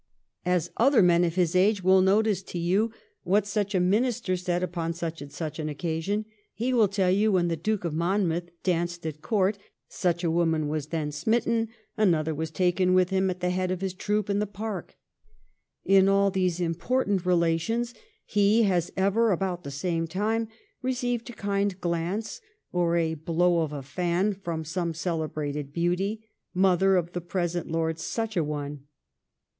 *' As other men of his age will notice to you what such a minister said upon 1711 WILL HONEYCOMB. 187 such and such an occasion, he will tell you, when the Duke of Monmouth danced at court, such a woman was then smitten, another was taken with him at the head of his troop in the Park. In all these important relations he has ever about the same time received a kind glance, or a blow of a fan from some celebrated beauty, mother of the present Lord Such a one.